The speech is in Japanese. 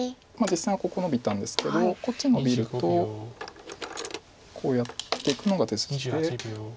実戦はここノビたんですけどこっちノビるとこうやっていくのが手筋で。